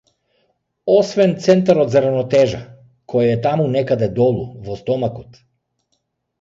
Освен центарот за рамотежа, кој е таму некаде долу, во стомакот.